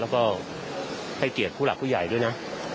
แล้วก็ให้เกียรติผู้หลักผู้ใหญ่ด้วยนะ